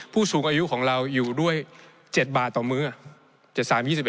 ผู้สูงอายุของเราอยู่ด้วย๗บาทต่อมื้อ